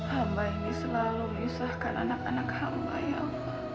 hamba ini selalu memisahkan anak anak hamba ya allah